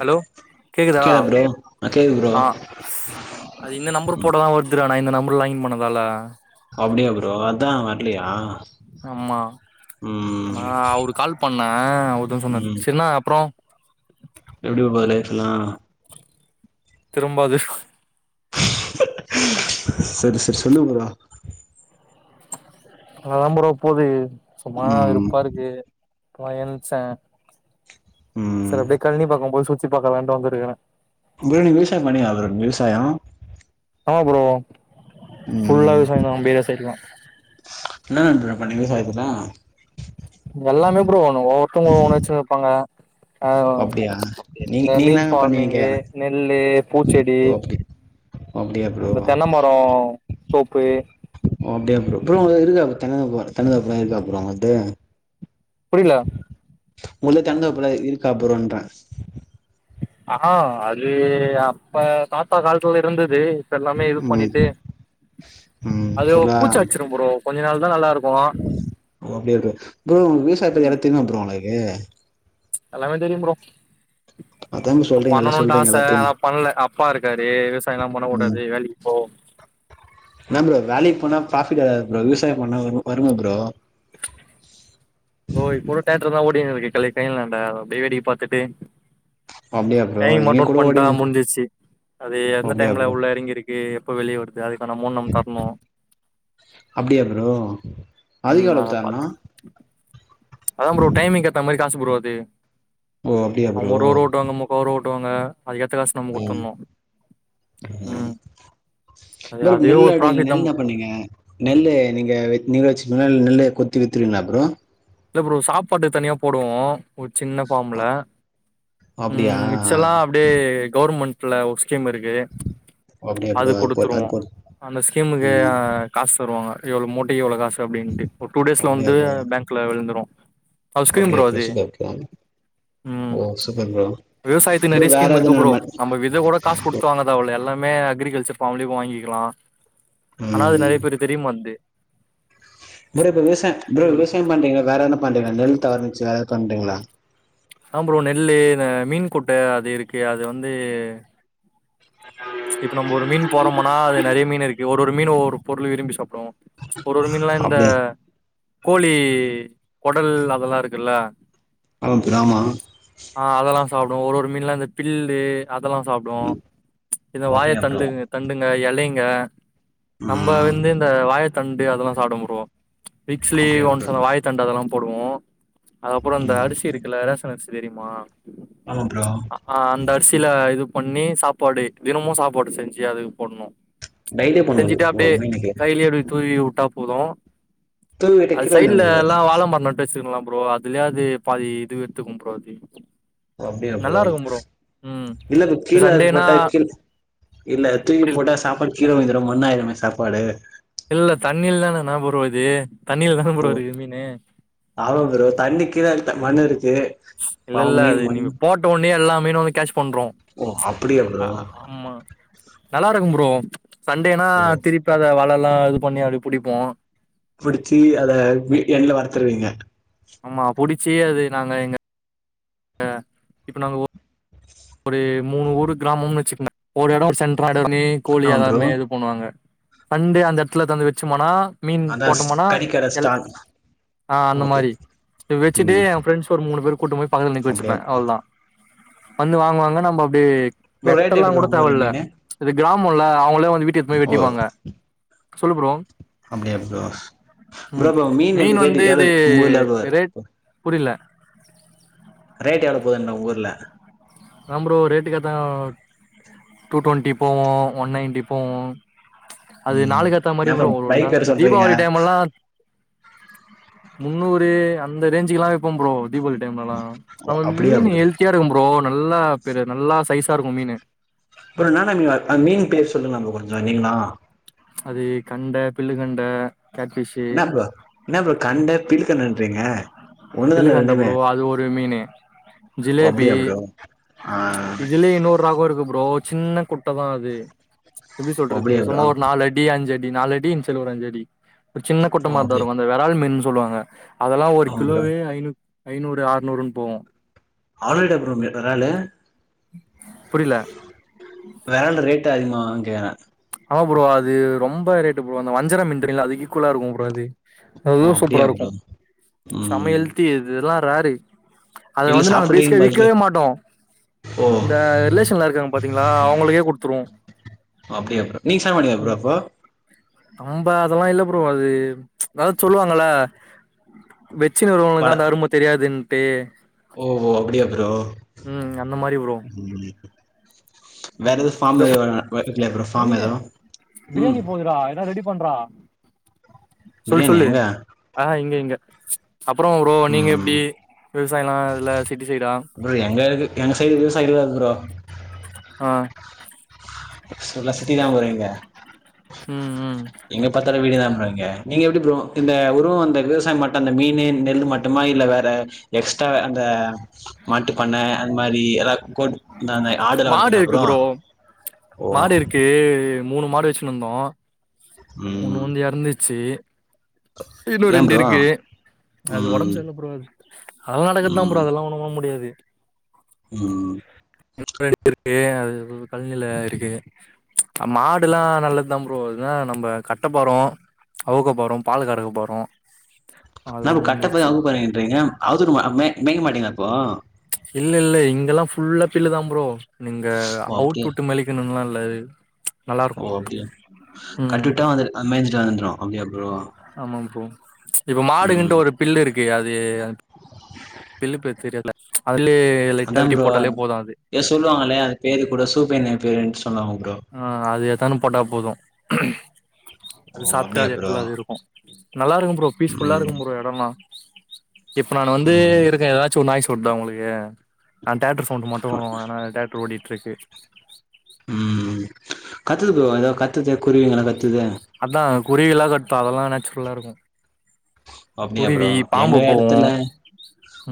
Hello கேக்குதா bro ஆ கேக்குது ப்ரோ ஆஹ் அது இந்த நம்பர் போடதான் வருதுடா இந்த நம்பர்ல லாகிங் பண்ணதால அப்டிய ப்ரோ அதான் வரலியா ஆமா ஆனா அவரு கால் பண் ண ஒருத்தவங்க சொன்னது சினா அப்பறோ [inaudible] எப்படி போகுது லைஃப் லா திரும்பாது செரி செரி சொல்லு ப்ரோ அதா ப்ரோ போவுது சும்மா ம் வெருப்பா இருக்கு இப்பதா எந்திருச்ச ம் செரி அப்டியே கல்னி பாக்க போய் சுத்தி பாக்கலான்ட்டு வந்திருக்கேன் இங்கேயே விவசாயம் பண்ணியா ப்ரோ விவசாயம் ஆமா ப்ரோ ஃபுல்லா ம் விவசாயம் நம்மோட சைடெல்லா என்னென்ன ப்ரோ பண்ணிங்க விவசாயத்துல எல்லாமே ப்ரோ ஒவ்வொருத்தவக ஒன்னு ஒன்னு வச்சு இருப்பாங்க ஹா அப்டியா நீங்க இந்த நீங்க மீன் என்னங்க பண்ணீங்க பார்மிங் கேக்குறே நெல்லு பூச்செடி ஓ அப்டி அப்டியா ப்ரோ இந்த தென்ன மரோ தோப்பு ஓ அப்டியா ப்ரோ ப்ரோ இருங்க தென்ன மரம் தென்ன தோப்பெல்லாம் இருக்கா ப்ரோ உங்க வீட்டு புரியல உன்கிட்ட தென்னந்தோப்பு எல்லா இருக்கா ப்ரோன்ற ஹா அது அப்ப தாத்தா காலத்தல இருந்தது இப்ப எல்லாமே இது ம் பண்ணிட்டு ம் அது பூச்சா வச்சிரும் ப்ரோ கொஞ்ச நாள் தா நல்லாருக்கும் அப்டி இரு ப்ரோ விவசாயத்துல எல்லா தெரியுமா ப்ரோ ஏ. ம்ச் எல்லாமே தெரியும் ப்ரோ. அதா ப்ரோ சொல்றீங்க எல்லா பண்ணணும்ட்டு சொல்றீங்க ஆச எல்லாத்தையு ஆனா பண்ணல அப்பா இருக்காரு விவசாயம் எல்லா ம் பண்ணக்கூடாது வேலைக்கு போ. பிராபிட் வராது ப்ரோ விவசாயம் பண்ணா வரு வருங்க ப்ரோ. ப்ரோ இப்ப கூட [unintelligible] அப்டியே வேடிக்க பாத்துட்டு. அப்டியா ப்ரோ டைம் எங்க மட்டும் நோட் கூட பண்ட்டா ஓடினு முடிஞ்சிச்சு. அது ஓ எந்த அப்டியா டைம்ல ப்ரோ உள்ள எறங்கிருக்கு. எப்ப வெளியவருது. அப்டியா ப்ரோ ம் அத அதிகளவு தரணு. பாத்து அதா ப்ரோ டைமிங் கேத்த மாரி. காசு ப்ரோ அது. ஓ அப்டியா அவுங்க ஒரு ரோ ஓட்டுவாங்க நமக்கு ஒரு ரோ. ட்டுவாங்க. உம் ஆமா ம் அது ப்ரோ அதுவே நெல் ஒரு அடு ப்ராஃபிட் நெல் தா ப்ரோ என்ன பண்ணுவீங்க நெல்லு நீங்க நீ வெச்சிகிங்களா நெல்லு கொத். து வித்துருவீங்களா ப்ரோ. இல்ல ப்ரோ சாப்பாடுக்கு தனியா போடுவோ. ஒரு சின்ன ஃபார்ம்ல. அப்டியா மிச்சல்லா அப்டியே கவர்மெண்ட். [unintelligible] ஸ்கீம் இருக்கு. அப்டியா அது ப்ரோ போட்டு அது குடுத்துருவோ. போட்டு அந்த ஸ்கீமுக்கு ம் காசு தருவாங்க. இவ்வளோ அமௌன்ட். இவ்ளோ காசு அப்படின்ட்டு ஒரு டூ டேஸ்ல அப்டியா வந்து ப்ரோ பேங்க். இருந்துரு. அது ஸ்கீம் அப்டியா ப்ரோ அது. சூப்பர் ப்ரோ உம் ஓ சூப்பர் ப்ரோ விவசாயத்துக்கு ப்ரோ நெறைய வேற ஸ்கீம் எதுவு இருக்கு நட ப்ரோ. மாட் நம்ம வித கூட காசு குடுத்து வாங்க தேவ இல்ல எல்லாம். மே அக்ரிகல்ச்சர் பாம்லியும் வாங்கிக்கலா. ஆனா அது ம் நெறைய பேருக்கு தெரிய மாட்டுது. ப்ரோ விவசாய ப்ரோ எவ்ளோ விவசாயம் பண்றீங்களா. வேற என்ன பண்றீங்களா நெல் தவர்ந்துச்சு வேற ஏதாவது பண்றீங்களா. ஆ ப்ரோ நெல்லு இந்த மீன் குட்ட அது இருக்கு அது வந்து. ம்ச் இப்ப நம்ம ஒரு மீன் போறோம்னா அது நெறைய மீன் இருக்கு ஒரு ஒரு மீன் ஒவ்வொரு பொருள் விரும்பி சாப்புடு. ஒரு ஒரு மீன்லா இந்த. அப்டியா கோழி கொடல் அதெல்லா இருக்குல்ல. ஆமா ப்ரோ ஆமா. சாப்புடு ஒரு ஒரு மீன்னெல்லா இந்த பில்லு. அதெல்லா சாப்புடு. இந்த வாய அப்டியா ப்ரோ தண்டு தண்டுங்க எல. இல்லைங்க நம்ப ம் வந்து இந்த வாய த்தண்டு அதெல்லா சாப்டுவோ ப்ரோ வீக்ஸ்லி அப்டியா ஒன்ஸ் ப்ரோ அந்த வாயத்தண்டு அதெல்லாம் போடுவோ அது அப்புறோ இந்த ம் அரிசி இருக்குல ரேஷன் அரிசி தெரியுமா ஆமா ப்ரோ ஆஹ் அந்த அரிசில இது பண்ணி சாப்பாடு தினமு சாப்பாடு செஞ்சு அதுக்கு போடணு டெய்லி பண்ணுவோ செஞ்சுட்டு ப்ரோ அப்டியே மீனுக்கு கையிலயே இப்டி தூவி உ ட்டா போது தூவிட்டு அது கீழ சைட்ல விழுந்துரு எல்லா வாழ மரோ நட்டு வச்சிருக்கறோ ப்ரோ அதுலயே அது பாதி இது எடுத்துக்கு ப்ரோ அது ஓ அப்டியா ப்ரோ நல்லா இருக்கும் ம் இல்ல அது கீழ அது சண்டேனா போட்டா கீழ் இல்ல தூக்கி அப்படி போட்டா சாப்பாடு கீழ விழுந்துரு மண்ணாயிரமே சாப்பாடு இல்ல தண்ணி இல்லனா என்ன ப்ரோ இது தண்ணில தான ஓ ப்ரோ இருக்கு மீனு ஆமா ப்ரோ தண்ணி கீழ அதுக்தா மண்ணு இருக் இல்ல இல்ல அது நீங்க போட்ட உட்னயே எல்லா மீனு ஒன்னு கேட்ச் பண்ரு ஓ அப்டியா ஆ ப்ரோ ஆமா நல்லா இருக்கும் ப்ரோ சண்டேனா ஓ திருப்பி அத வல ல்லா இது பண்ணி அப்டி புடிப்போ புடிச்சி அத வி எண்ணைல வறுத்துருவீங்க ஆமா புடிச்சு அது நாங்க இங்க ஆ இப்ப நாங்க ஒரு மூணு ஊர் கிராமம் வச்சுக்கங்க ஒரு எடோ சென்ட்ரா இது பண்ணி கோழி ஆமா ப்ரோ எல்லாமே இது பண்ணுவாங்க சண்டே அந்த எடத்துல எதானு வச்சுமானா மீன் அதா போட்டோம்னா கறிக்கட எல் ஸ்டால் ஆஹ் அந்த ஓகே மாரி வச்சுட்டு ம் என் ஃப்ரெண்ட்ஸ் ஒரு மூணு பேர் கூட்டு போய் பக்கத்துல நிக்க அப்டியா வச்சுப்பே ப்ரோ அவ்ளவுதா வந்து வாங்குவாங்க நம்ப அப்டியே ப்ரோ ரேட் வெட்டல்லா எப்டி ப்ரோ கூட உங்க ஊர்ல தேவல்ல மீனு [unintelligible] கிராமம்ல அவங்கள வந் வீடுக்கு எதுன்போய் வெட்டிப்பாங்க சொல்லு ப்ரோ அப்படியா ப்ரோ ப்ரோ ம் ப்ரோ மீன் எப்டி வந்து இது [unintelligible] ப்ரோ அது ரேட் [inaudible] ரேட் எவ்ளோ போதுதான் உங் ஊர்ல அதான் ப்ரோ ரெட்டுக்கு கேத்த டூ டுவெண்ட்டி போவோம் ஒன் நைன்டி போவோம் அது ம் நாளுக்கு ஏத்த மாரி என்ன ப்ரோ வரும் ஒரு ரெண் பைக் பேரு நாள்ள சொல்றீங்க தீபாவளி டைம் எல்லா முன்னுரு அந்த ரேஞ்சுக்குல்லா வெப்போம் ப்ரோ தீபாவளி டைம்லாம் ஓ நம அப்டியா மீன் ப்ரோ ஹெல்தியா இருக்கும் ப்ரோ நல்லா பெரு நல்லா சைஸா இருக்கும் மீனு அப்புறம் நானா மீன் வ மீன் பேர் சொல்லுங்ல ப்ரோ கொஞ்சம் நீீங்களா அது கண்ட பில்லு கண்ட கேட்ஃபிஷு ன்ன ப்ரோ என்ன ப்ரோ கண்ட பீல்லு கண்டன்றீங்க பில்லு கண்ட ப்ரோ அது ஒரு மீனு ஓ ஜிலேபி அப்டியா ப்ரோ ஆ இதுலயேன்னூறு ராகம் இருக்கு ப்ரோ சின்ன குட் ட தான் அது எப்டி ஓ சொல்றது அப்டியா ப்ரோ சும்மா ஒரு நாலு அடி அஞ் அடி நாலடினுச் சொல்லி ஒரு அஞ்சடி ஒரு சின்ன ஓ ஓகே குட்டமாதாரு அத வறால் மீன் சொல்லுவாங்க அதெல்லா ஒரு ஆமா ப்ரோ கிலோவே ஐய்நூ ஐநூறு ஆறுநூறுன்னு போவும் அவலேடா போவு வறாலு புரியல வேரன்னரத ரேட் [unintelligible] ஆமா ப்ரோ அது ரொம்ப ரேட்டு ப்ரோ அந்த வஞ்சர மீன் தெரியுல்ல அதுக்கு ஈக்குவலா இருக்கும் ப்ரோ அது அதுவு ஓ அப்டியா சூப்பரா ப்ரோ இருக்கும் செம்ம ம் எள்தி அது இதெல்லா ரரே அது இல்ல வந்து நாங்க சாப்புட்றீங்க பேசிக்கா போல்து விக்கவே மாட்டோம் ஓ இந்த ரிலேஷன்ல இருக்கவங்க பாத்தீங்களா அவங்களுக்கே குடுத்துருவுன் நீ சாப்டமாட்டியா ப்ரோ அப்போ நம்ப அதெல்லா இல்ல ப்ரோ அது அதாது சொல்லுவாங்கள வெச்சினு இருக்குறவங்ளுக்கு வல அந்த அரும தெரியாது பே ஓ ஓ அப்டியா ப்ரோ உம் அந்த மாரி ப்ரோ ம் வேற ம் எது ஃபார்ம் இதோ எதாது வா வரலையா ப்ரோ ஃபார்ம் நவீனு ஏதும் உம் பிரியாணி சொல்லுச் சொல்லு ஆஹ இங்க இங்க அப்புறோ ப்ரோ நீங்க எப்டி ம் விவசாயமா இல்ல சிட்டி சைடா ப்ரோ எங்க இருக்கு எங்க சைடு விவசாயிகள் ப்ரோ ஆஹ ஃபுல்லா சிட்டி தான் போறீங்க ம் ம் இங்க எங்க பாத்தாலும் வீடுதான் ப்ரோ இங்க நீங்கள் எப்டி ப்ரோ இந்த உருவ வந்த விவசாயம் மட்டும் இல்ல மீனு நெல்லு மட்டுமா இல்லை வேற எக்ஸ்ட்ரா அந்த மாட்டு பண்ணை அந்த மாரி எதா கொட் நாங்க ஆடுலா மாடு வளத்துங்களா இருக்கு ப்ரோ ஓ மாடு இருக்கு மூணு மாடு வச்சினு இருந்தோம் ஒன்னு ம் வந்து இறந்துச்சி இன்னு ஏ ரெண்டு ப்ரோ இருக்கு அது ஓடம்பு ம் சரில்ல ப்ரோ அது அதெல்லாம் நடக்குறதுதான் ப்ரோ அதெல்லாம் ஒன்னு பன்ன முடியாது உஹம் இருக்கு அது கல்நில இருக்கு மாடுல்லா நல்லது தா ப்ரோ இன்னா நம்ம கட்டபோறோ அவுக்க போறோம் பால் கரக்க போறோம் என்ன ப்ரோ கட்டபேறா அவுக்க போறேன்னு இருக்கீங்க [unintelligible] மே மேக்க மாட்டேங்களா அப்போ இல்ல இல்ல இங்கெல்லாம் ஃபுல்லா பில்லு தான் ப்ரோ நீங்க ஓ அப்டியா அவுத்துஉட்டு மலிக்கணும் லா இல் வலரு ஓ அப்டியா கட்டிவிட்டா வந்து அது மேஞ்சுட்டு வந்து ஒ அப்டியா ப்ரோ ஆமா ப்ரோ ட்ச் இப்ப ம் மாடுகின்ட்டு ஒரு பில்லு இருக்கு எ அது பில்லு பேரு தெரியல அது அதுலயே லைட்டா அதான் வெட்டி ப்ரோ போட்டாலே போது ஏதோ சொல்லுவாங்களே அது பேரு கூட சூப்பர் நேம் பேரன்ஸ் சொல்லாமா ப்ரோ தான் போட்டால் போதும் ம்ம் அது ஓ சாப்பிட்டா அப்டியா அது ப்ரோ எடத்துல அது இருக்கும் நல்லாக்கும் ப்ரோ பீஸ்ஃபுல்லா ம் இருக்கும் ப்ரோ இடம் எல்லா இப்ப நான் வந்து ம் இருக்கேன் எதாச்சும் ஒன்னு ஆயிடுச்சுனா சொட்டா உங்களுக்கே ஆ அந்த டிராக்டர் சவுண்டு மட்டும் வேனா டிராக்டர் ஓடிட்டு கிரக்கெட் உம் கத்துது புரோ ஏதாவது கத்துது குருவீங்களா க அதான் குருவில்லாம் கட் அப்போ அதெல்லாம் நேச்சுரலா இருக்கும் அப்டியா புரோ எங்க போவு எடத்துல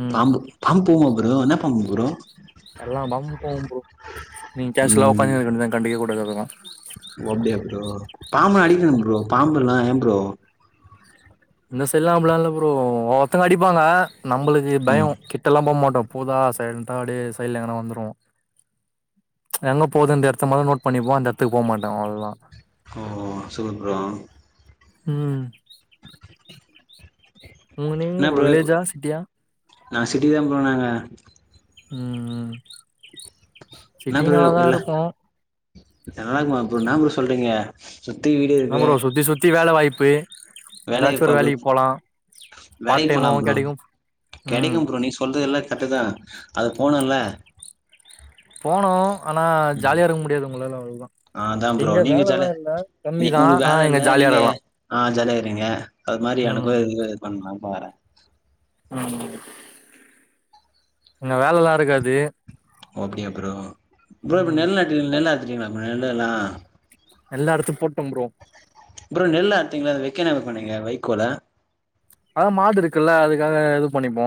ம் பாம்பு பாம்பு போவும் ப்ரோ என்ன பாம்பு ப்ரோ எல்லாம் பாம்பும் போவும் புரோ நீங்க கேஷ்வலா ம் உட்காஞ்சிண்ருக்க வேண்டியது தான் கண்டுக்கவே கூடாது அதெல்லா ஓ அப்டியா புரோ பாம்ப அடி ப்ரோ பாம்புல்லாம் ஏன் ப்ரோ இந்த சைடுல்லாம் அப்டிலாம் இல்ல புரோ ஒவ்ஒருத்தங்க அடிப்பாங்க நம்பளுக்கு ம் பயம் கிட்டெல்லாம் போ மாட் போதா சைலன்டா அப்டே சைடு்ல எங்கனா வந்துருவோம் எங்க போது அந்த எடத்த மட்டும் நோட் பண்ணிப்போம் அந்த எத்துக்கு போ மாட்டோம் அவ்ளோ தான் ஓ சூப்பர் ப்ரோ உம் உங்க நீங்க வில்லேஜா சிட்டியா நான் சிட்டி தான் போனங்க உம் உம் சிட்டி நல்லா தான் இருக்கும் நல்லக்குமா ப்ரோ இன்னா ப்ரோ சொல்றீங்க சுத்தி வீடு இன்ன இருக்கு ப்ரோ சுத்தி சுத்தி வேலவாய்ப் இப்பயே வேலைக்கு போ ப்ரோ பார்ட் வேலைக்கு போலாம் டைமாவு புரோ கெடைக்கு ம் கெடைக்கும் புரோ நீ சொல்றது எல்ல கர்ட் தான் அது போனும்ல போனோ ஆனா ஜாலியா இருக்க முடியாது உங்களால அவ் அதா ப்ரோ இங்க நீங்க ஜாலியா வேலல்லாம் இல்ல நீ கம்மிதான் ஆனா இங்க ஜாலியா இருகலாம் ருங்க அது மாரி எனக்கும் இது இது பண்ணலாம் பாரேன் என்ன வேலல்லாம் இருக்காது ஓ அப்டியா புரோ புரோ இங்க ம் நெல்லாயிடு நெல்லா சரிங்களா மேல நா எல்லா எடத்தும் போட் ப்ரோ நெல்ல அத்தீங்ளா அது வக்கன போனிங்க வைக்கோல அதா மாடு இருக்குல்ல அதுக்காக இது பண்ணிப்போ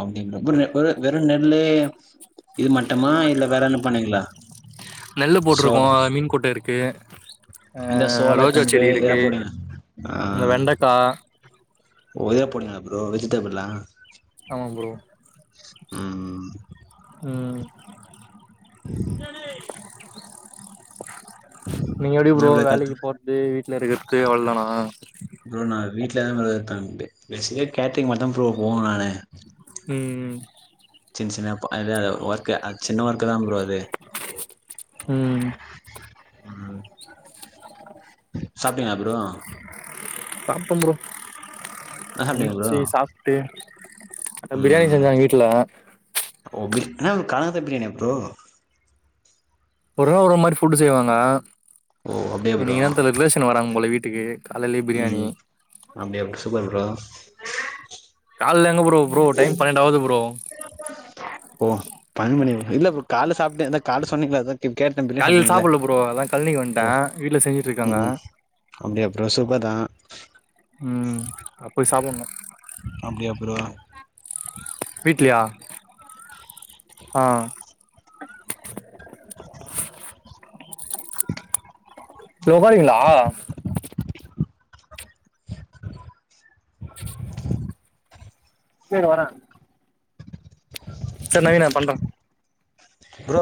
அப்டி [unintelligible] வெறு நெல்லு இது மட்டுமா இல்ல வேற என்ன பண்ணீங்களா நெல்லு போட்ருக்கோ சோளோ மீன் குட்ட இருக்கு இந்த அ சோள ரோஜா கம்பு செடி இருக்கு இதெல்லா போடுவீங்க ஆ இந்த வெண்டக்கா ஓ இத போடுவிங்ளா ப்ரோ வெஜிடபிள்லா ஆமா ப்ரோ ம் உம் உஹம் நீங்க எப்டி என்ன ப்ரோ கத்து வேலைக்கு போற்து வீட் ட்ல இருக்கிற்து அவள்தானா ப்ரோ நா வீட்லதா ப்ரோ இருப்பே பேஸிக்கா கேட்டரிங் மட்டும் ப்ரோ போவ நானு உம் [unintelligible] ஒர்க்கு அது சின்ன ஒர்க் குதா ப்ரோ அது ம் ம் சாப்டீங்களா ப்ரோ சாப்டம் ப்ரோ என்ன சாப்ட்டீங்க ப்ரோ எனிச்சு சாப்ட்டு அதா பிரியாணி ம் செஞ்சாங்க வீட்ல ஓ பிரி என்ன ப்ரோ காலங்காத்தா பிரியாணியா ப்ரோ ஒருவ ஒரு மாரி ஃபுட்டு் செய்வாங்க ஓ அப்டியா ப்ரோ இன்னைக் என்னன் தெரில ரிலேஷன் வராங்க போல வீட் டுக்கு காலைலே பிரியாணி ம் அப்டியா சூப்பர் ப்ரோ கால்ல எங்க ப்ரோ ப்ரோ டைம் பன்னென்டாவுது ப்ரோ ஓ பன்மணி இல்ல ப்ரோ கால்ல சாப்ட்டே அத கால்ல சொன்னீங்கள அதா இப் கேட்டே பிரியாணி காலையில சாப்டீங்கள்ல சாப்புட்ல ப்ரோ அதா கழனிக்கு வந்ட்டே ஓ வீட்ல செஞ்சுட்டு ம் இருக்காங்க ம் அப்டியா ப்ரோ சூப்பர் தா உம் அ போய் சாப்புன்னு அப்டியா ப்ரோ வீட்லயா ஆ தோ போரிங்களா இங்கே இரு வரே சர் [unintelligible] பண்றா ப்ரோ